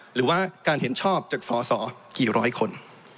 หรือว่าการเห็นชอบจากสอสอกี่ร้อยคน